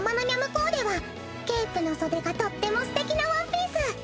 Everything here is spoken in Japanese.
コーデはケープの袖がとってもすてきなワンピース。